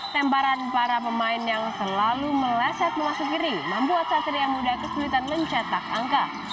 temparan para pemain yang selalu meleset memasuki ring membuat satria muda kesulitan mencetak angka